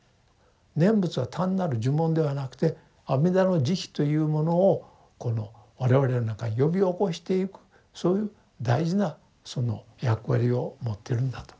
念仏は単なる呪文ではなくて阿弥陀の慈悲というものをこの我々の中に呼び起こしていくそういう大事なその役割を持ってるんだと。